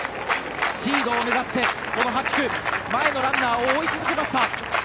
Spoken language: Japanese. シードを目指して、この８区前のランナーを追い続けました。